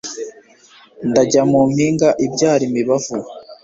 ndajya mu mpinga ibyara imibavu